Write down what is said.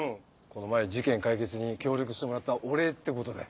この前事件解決に協力してもらったお礼ってことで。